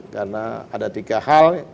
karena ada tiga hal